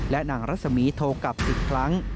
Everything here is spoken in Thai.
และนางรัศมีร์โทรกลับอีกครั้ง